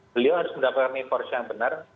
beliau harus mendapatkan enforce yang benar